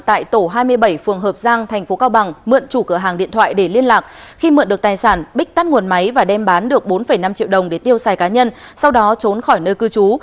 tại tổ hai mươi bảy phường hợp giang thành phố cao bằng mượn chủ cửa hàng điện thoại để liên lạc khi mượn được tài sản bích tắt nguồn máy và đem bán được bốn năm triệu đồng để tiêu xài cá nhân sau đó trốn khỏi nơi cư trú